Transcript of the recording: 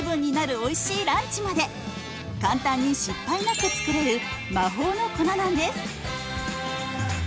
おいしいランチまで簡単に失敗なく作れる魔法の粉なんです。